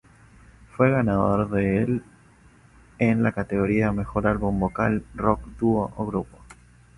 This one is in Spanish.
Fue ganador del en la categoría Mejor Álbum Vocal Rock Dúo o Grupo.